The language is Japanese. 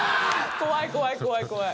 怖い、怖い、怖い、怖い。